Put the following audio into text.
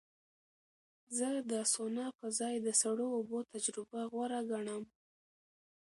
زه د سونا په ځای د سړو اوبو تجربه غوره ګڼم.